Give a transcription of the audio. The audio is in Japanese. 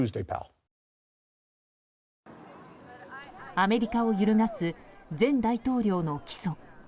アメリカを揺るがす前大統領の起訴。